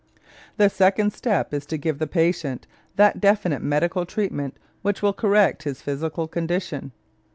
The second step is to give the patient that definite medical treatment which will correct his physical condition.